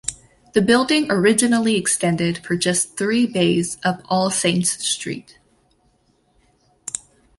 The building originally extended for just three bays up All Saints Street.